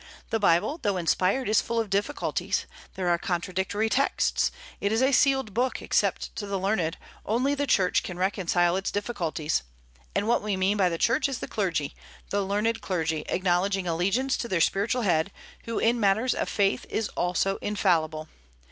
The Bible, though inspired, is full of difficulties; there are contradictory texts. It is a sealed book, except to the learned; only the Church can reconcile its difficulties. And what we mean by the Church is the clergy, the learned clergy, acknowledging allegiance to their spiritual head, who in matters of faith is also infallible.